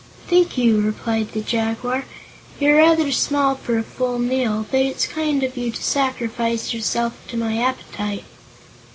"Thank you," replied the Jaguar. "You're rather small for a full meal, but it's kind of you to sacrifice yourself to my appetite."